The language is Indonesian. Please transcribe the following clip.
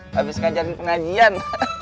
habis ngajarin pengajian